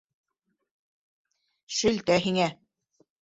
Шелтә һиңә!